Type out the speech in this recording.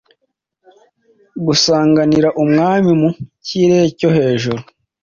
gusanganira Umwami mu kirere cyohejuru.